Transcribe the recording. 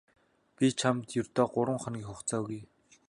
Би чамд ердөө гурав хоногийн хугацаа өгье.